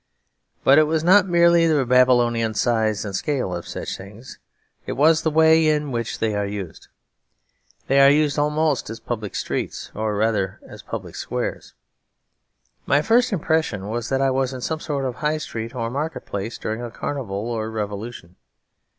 But it was not merely the Babylonian size and scale of such things, it was the way in which they are used. They are used almost as public streets, or rather as public squares. My first impression was that I was in some sort of high street or market place during a carnival or a revolution.